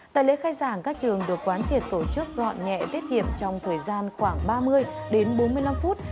tại lễ khai giảng các trường được quán triệt tổ chức gọn nhẹ tiết hiệp trong thời gian khoảng ba mươi đến bốn mươi năm phút